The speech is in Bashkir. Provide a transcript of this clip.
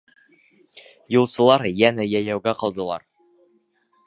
Юлсылар йәнә йәйәүгә ҡалдылар.